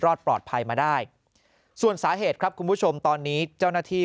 รอดปลอดภัยมาได้ส่วนสาเหตุครับคุณผู้ชมตอนนี้เจ้าหน้าที่